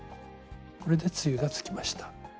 これで露がつきました。